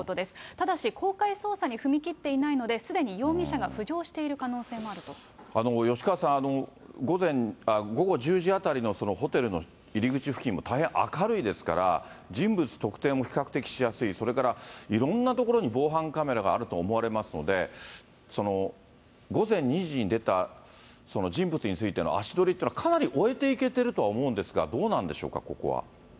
ただし、公開捜査に踏み切っていないので、すでに容疑者が浮上し吉川さん、午後１０時当たりのホテルの入り口付近も大変明るいですから、人物特定も比較的しやすい、それからいろんな所に防犯カメラがあると思われますので、午前２時に出たその人物についての足取りっていうのは、かなり追えていけてるとは思うんですが、どうなんでしょうか、ここは。